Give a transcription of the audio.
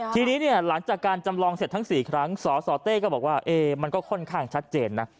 ทีนี้เนี่ยหลังจากการจำลองเสร็จทั้ง๔ครั้งสสเต้ก็บอกว่ามันก็ค่อนข้างชัดเจนนะ